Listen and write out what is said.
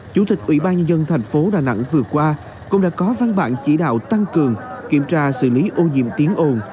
chủ tịch ủy ban nhân dân thành phố đà nẵng vừa qua cũng đã có văn bản chỉ đạo tăng cường kiểm tra xử lý ô nhiễm tiếng ồn